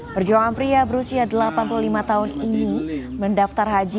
perjuangan pria berusia delapan puluh lima tahun ini mendaftar haji